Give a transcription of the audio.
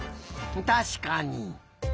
たしかに。